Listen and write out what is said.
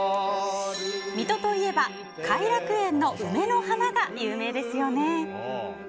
水戸といえば偕楽園の梅の花が有名ですよね。